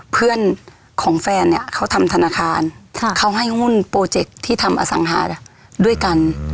เพื่อนของแฟนเนี่ยเขาทำธนาคารเขาให้หุ้นโปรเจคที่ทำอสังหาด้วยกัน